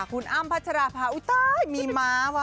คุณอ้ามพัชราพาอุตาห์มีม้าวะ